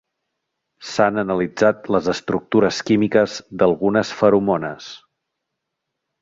S'han analitzat les estructures químiques d'algunes feromones.